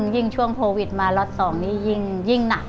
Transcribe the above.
ยิ่งช่วงโควิดมาล็อต๒นี้ยิ่งหนัก